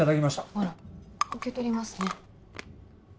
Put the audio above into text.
あら受け取りますね